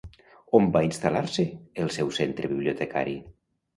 On va instal·lar-se el seu centre bibliotecari?